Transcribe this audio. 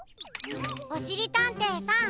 おしりたんていさん